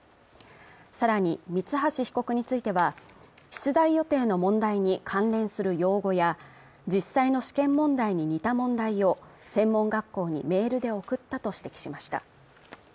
更に三橋被告については出題予定の問題に関連する用語や実際の試験問題に似た問題を専門学校にメールで送ったと指摘しました